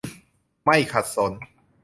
ไม่ขัดสน